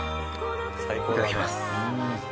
いただきます。